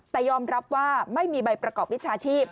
แต่ยอมรับว่าไม่มีใบประกอบวิชาชีพ